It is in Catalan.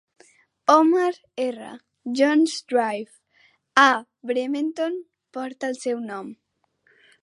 Homer R. Jones Drive, a Bremerton, porta el seu nom.